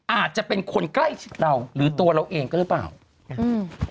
อาจจะเป็นคนใกล้ชิดเราหรือตัวเราเองก็หรือเปล่าอืม